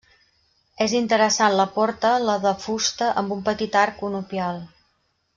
És interessant la porta la de fusta amb un petit arc conopial.